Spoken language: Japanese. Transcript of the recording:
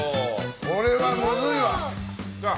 これはむずいわ。